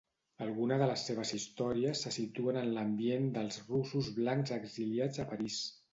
Alguna de les seves històries se situen en l'ambient dels russos blancs exiliats a París.